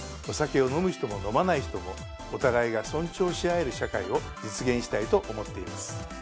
お酒を飲む人も飲まない人もお互いが尊重し合える社会を実現したいと思っています。